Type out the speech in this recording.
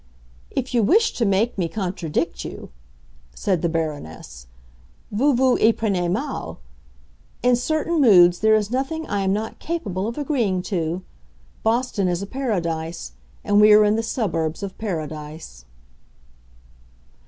"If you wish to make me contradict you," said the Baroness, "vous vous y prenez mal. In certain moods there is nothing I am not capable of agreeing to. Boston is a paradise, and we are in the suburbs of Paradise."